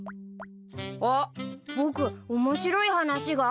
あっ僕面白い話があったよ。